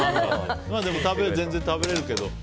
全然食べれるけど。